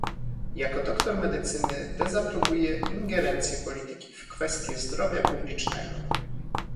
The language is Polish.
Jako doktor medycyny dezaprobuję ingerencję polityki w kwestie zdrowia publicznego